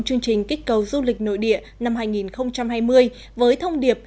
chương trình kích cầu du lịch nội địa năm hai nghìn hai mươi với thông điệp